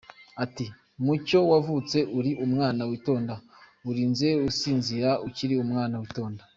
Ati: “Mucyo wavutse uri umwana witonda, urinze usinzira ukiri umwana witonda.